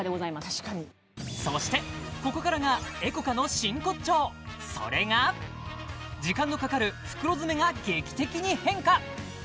確かにそしてここからがＥｃｏＣａの真骨頂それが時間のかかる袋詰めが劇的に変化